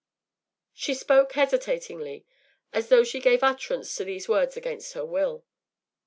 ” She spoke hesitatingly, as though she gave utterance to these words against her will.